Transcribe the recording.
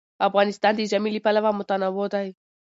افغانستان د ژمی له پلوه متنوع دی.